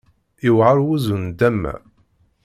Yewɛer wuzu n nndama.